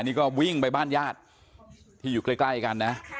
นี่ก็วิ่งไปบ้านญาติที่อยู่ใกล้กันนะ